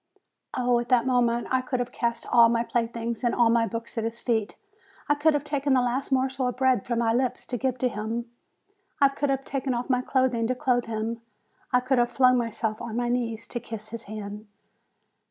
Oh! at 122 FEBRUARY that moment I could have cast all my playthings and all my books at his feet, I could have taken the last morsel of bread from my lips to give to him, I could have taken off my clothing to clothe him, I could have flung myself on my knees to kiss his hand.